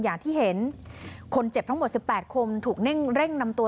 อย่างที่เห็นคนเจ็บทั้งหมด๑๘คนถูกเร่งนำตัว